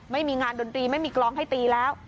ไม่มีงานดนตรีไม่มีกลองให้ตีแล้ว